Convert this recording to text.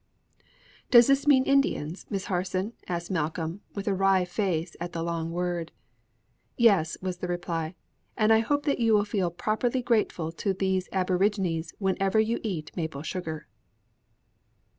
'" "Does that mean Indians, Miss Harson?" asked Malcolm, with a wry face at the long word. "Yes," was the reply; "and I hope that you will feel properly grateful to these aborigines whenever you eat maple sugar."